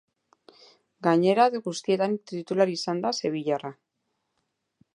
Gainera guztietan titular izan da sevillarra.